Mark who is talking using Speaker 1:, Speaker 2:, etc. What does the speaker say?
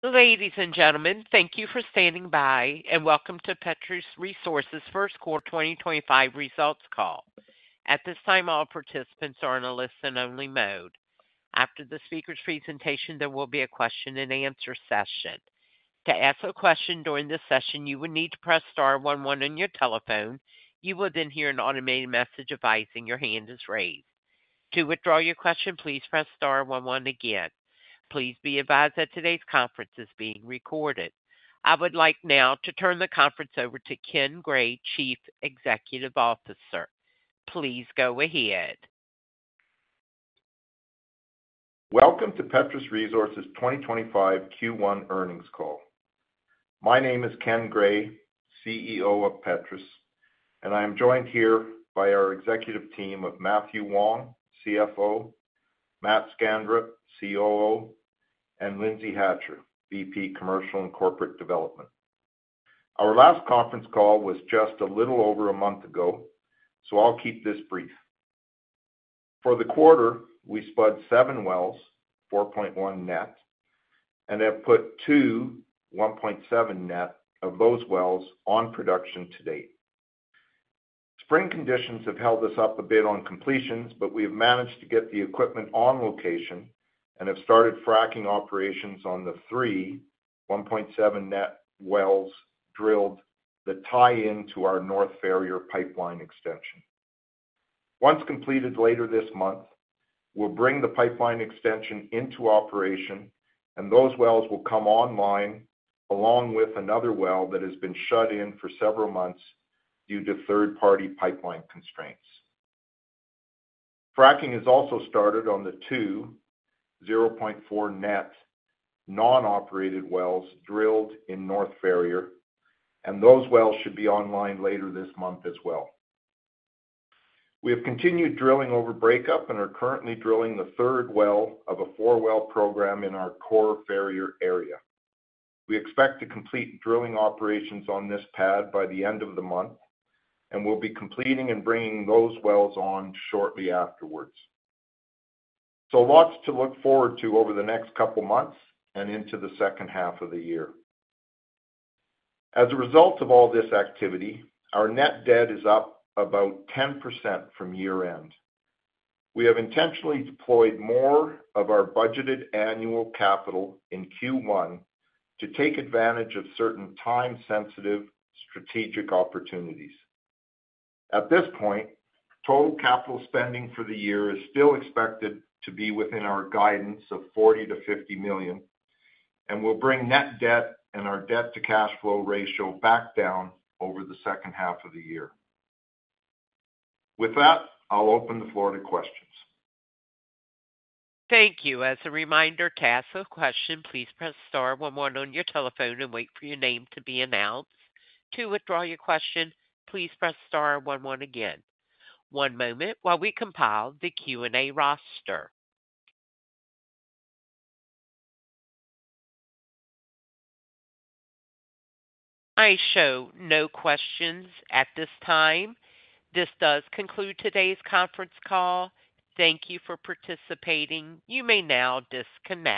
Speaker 1: Ladies and gentlemen, thank you for standing by, and welcome to Petrus Resources' first quarter 2025 results call. At this time, all participants are on a listen-only mode. After the speaker's presentation, there will be a question-and-answer session. To ask a question during this session, you will need to press star 11 on your telephone. You will then hear an automated message advising your hand is raised. To withdraw your question, please press star 11 again. Please be advised that today's conference is being recorded. I would like now to turn the conference over to Ken Gray, Chief Executive Officer. Please go ahead.
Speaker 2: Welcome to Petrus Resources' 2025 Q1 earnings call. My name is Ken Gray, CEO of Petrus, and I am joined here by our executive team of Matthew Wong, CFO; Matt Skanderup, COO; and Lindsay Hatcher, VP, Commercial and Corporate Development. Our last conference call was just a little over a month ago, so I'll keep this brief. For the quarter, we spun seven wells, 4.1 net, and have put two, 1.7 net, of those wells on production to date. Spring conditions have held us up a bit on completions, but we have managed to get the equipment on location and have started fracking operations on the three, 1.7 net, wells drilled that tie into our North Ferrier pipeline extension. Once completed later this month, we'll bring the pipeline extension into operation, and those wells will come online along with another well that has been shut in for several months due to third-party pipeline constraints. Fracking has also started on the two 0.4 net non-operated wells drilled in North Ferrier, and those wells should be online later this month as well. We have continued drilling over breakup and are currently drilling the third well of a four-well program in our core Ferrier area. We expect to complete drilling operations on this pad by the end of the month, and we'll be completing and bringing those wells on shortly afterwards. Lots to look forward to over the next couple of months and into the second half of the year. As a result of all this activity, our net debt is up about 10% from year-end. We have intentionally deployed more of our budgeted annual capital in Q1 to take advantage of certain time-sensitive strategic opportunities. At this point, total capital spending for the year is still expected to be within our guidance of $40 million-$50 million, and we'll bring net debt and our debt-to-cash flow ratio back down over the second half of the year. With that, I'll open the floor to questions.
Speaker 1: Thank you. As a reminder, to ask a question, please press star 11 on your telephone and wait for your name to be announced. To withdraw your question, please press star 11 again. One moment while we compile the Q&A roster. I show no questions at this time. This does conclude today's conference call. Thank you for participating. You may now disconnect.